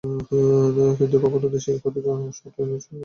কিন্তু কখনো দেশের জন্য ক্ষতিকর শর্তযুক্ত কোনো সহায়তা গ্রহণ করব না।